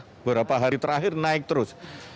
beberapa hari terakhir naik terus